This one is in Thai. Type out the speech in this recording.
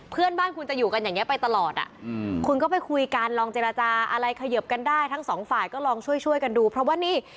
เพื่อนบ้านคุณจะอยู่กันอย่างนี้ไปตลอดคุณก็ไปคุยกันลองเจรจาอะไรเขยิบกันได้ทั้งสองฝ่ายก็ลองช่วยกันดูเพราะว่านี่